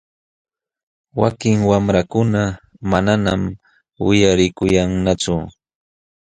Wakin wamlakuna manañaq uyalikulkanñachum.